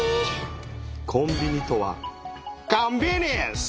コンビニとはコンビニエンス！